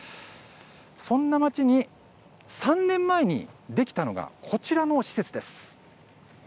そんな街に３年前にできたのがこちらの施設です。